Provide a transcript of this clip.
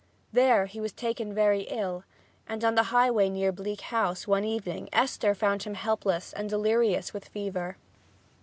There he was taken very ill, and on the highway near Bleak House one evening Esther found him helpless and delirious with fever.